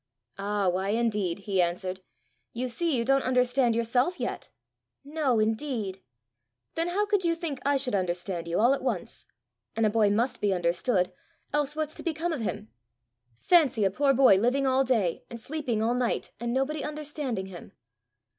"Ah, why indeed?" he answered. "You see you don't understand yourself yet!" "No indeed!" "Then how could you think I should understand you all at once? and a boy must be understood, else what's to become of him! Fancy a poor boy living all day, and sleeping all night, and nobody understanding him!"